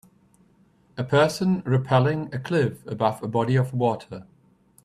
A person rappelling a cliff above a body of water.